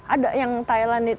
ada yang thailand itu